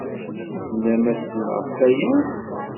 Tennam-asen ɣef waya?